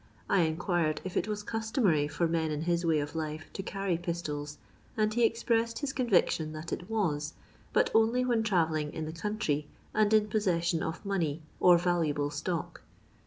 I in quired if it was customary for men in his way of life to carry pistols, and he expressed his eooTiction that it was, but only when tra velling in the country, and in possession of money or Taluable stock.